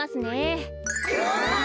うわ！